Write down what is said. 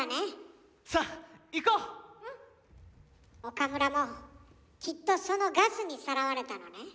岡村もきっとそのガスにさらわれたのね。